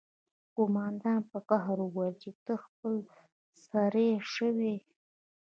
قومندان په قهر وویل چې ته خپل سری شوی یې